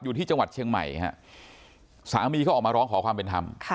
ที่จังหวัดเชียงใหม่ฮะสามีเขาออกมาร้องขอความเป็นธรรม